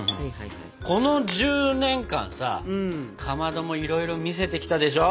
この１０年間さかまどもいろいろ見せてきたでしょ？